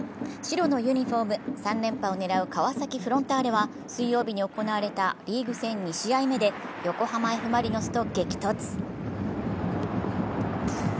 白のユニフォーム、３連覇を狙う川崎フロンターレは水曜日に行われたリーグ戦２試合目で横浜Ｆ・マリノスと激突。